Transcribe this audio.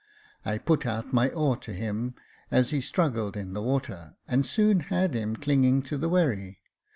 I put out my oar to him as he struggled in the water, and soon had him clinging to the wherry.